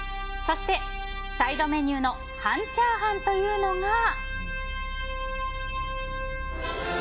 そして、サイドメニューの半チャーハンというのが。